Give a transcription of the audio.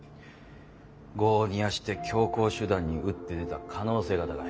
業を煮やして強硬手段に打って出た可能性が高い。